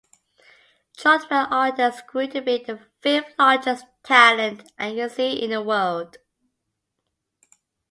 Chartwell Artists grew to be the fifth-largest talent agency in the world.